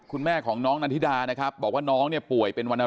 คุณแม่ของน้องนันทิดานะครับบอกว่าน้องเนี่ยป่วยเป็นวรรณ